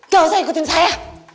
gak usah ikutin saya